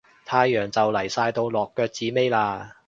太陽就嚟晒到落腳子尾喇